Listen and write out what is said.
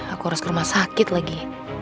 aku harus ke rumah sakit lagi